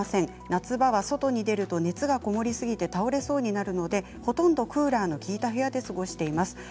夏場は外に出ると熱が籠もりすぎて倒れそうになるのでほとんどクーラーの効いた部屋で過ごしています。